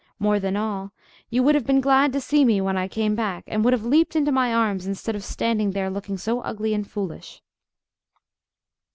More than all, you would have been glad to see me when I came back; and would have leaped into my arms instead of standing there, looking so ugly and foolish."